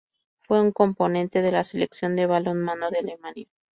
Fue un componente de la Selección de balonmano de Alemania.